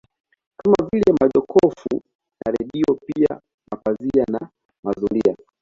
Kama vile majokofu na redio pia mapazia na mazulia